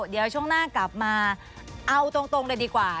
เดี๋ยวช่วงหน้ากลับมาเอาตรงเลยดีกว่า